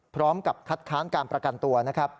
พร้อมกับคัดค้านการประกันตัว